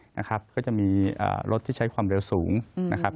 นะครับก็จะมีรถที่ใช้ความเร็วสูงนะครับ